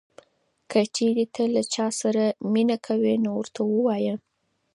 که چېرې ته له چا سره مینه کوې نو ورته ووایه.